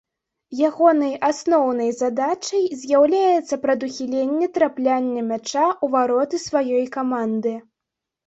Ягонай асноўнай задачай з'яўляецца прадухіленне трапляння мяча ў вароты сваёй каманды.